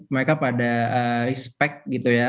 mereka pada respect gitu ya